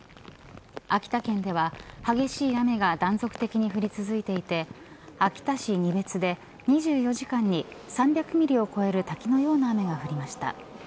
秋田県では激しい雨が断続的に降り続いていて秋田市仁別で２４時間に３００ミリを超える滝のような雨が降りました。